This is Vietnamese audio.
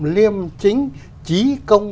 liêm chính trí công